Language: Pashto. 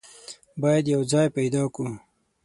بايد يو ځای پيدا کو.